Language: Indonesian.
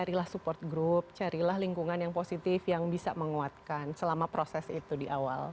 carilah support group carilah lingkungan yang positif yang bisa menguatkan selama proses itu di awal